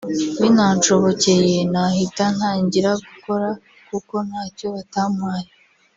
binanshobokeye nahita ntangira gukora kuko ntacyo batampaye